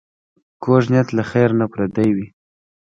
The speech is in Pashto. کوږ نیت له خېر نه پردی وي